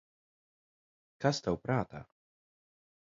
Kas tev prātā?